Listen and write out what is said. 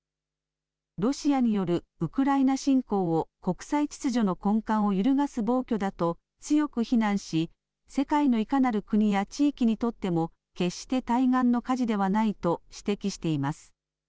ロシアによるウクライナ侵攻を国際秩序の根幹を揺るがす暴挙だと強く非難し世界のいかなる国や地域にとっても決して対岸の火事ではないと指摘しています。